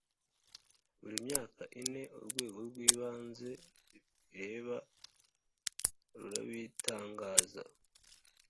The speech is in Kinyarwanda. Buri myaka ine urwego rw ibanze bireba rurabitangaza